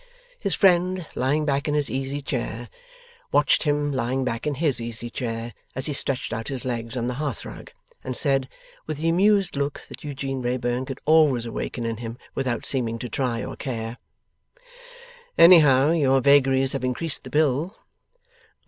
His friend, lying back in his easy chair, watched him lying back in his easy chair, as he stretched out his legs on the hearth rug, and said, with the amused look that Eugene Wrayburn could always awaken in him without seeming to try or care: 'Anyhow, your vagaries have increased the bill.